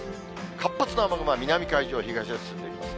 活発な雨雲は南海上を東へ進んでいきます。